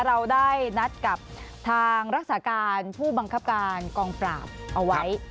เราได้นัดกับทางรักษาการผู้บังคับการกองปราบเอาไว้